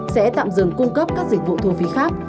sẽ tạm dừng cung cấp các dịch vụ thu phí khác